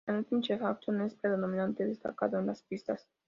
El cantante Michael Jackson es predominantemente destacado en las pistas.